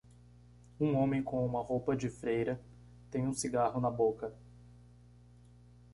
Um homem com uma roupa de freira tem um cigarro na boca.